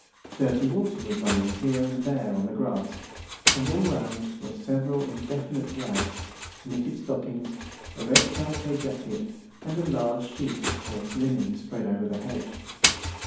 Dirty water was running here and there on the grass, and all round were several indefinite rags, knitted stockings, a red calico jacket, and a large sheet of coarse linen spread over the hedge.